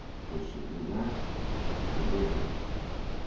"Did she do that?" "She did."